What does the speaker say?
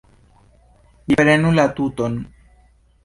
Vi prenu la tuton.